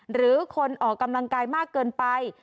หรือคนออกกำลังกายมากเกินไป